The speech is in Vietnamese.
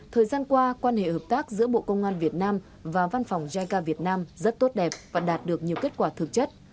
thời gian qua quan hệ hợp tác giữa bộ công an việt nam và văn phòng jica việt nam rất tốt đẹp và đạt được nhiều kết quả thực chất